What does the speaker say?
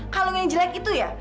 kak lumia yang jelek itu ya